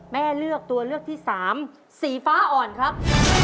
แม่เลือกตัวเลือกที่สามสีฟ้าอ่อนครับ